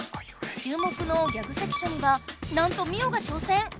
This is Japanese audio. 注目の「ギャグ関所」にはなんとミオが挑戦！